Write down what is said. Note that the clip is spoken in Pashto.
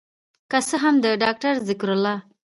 که څه هم د داکتر ذکر الله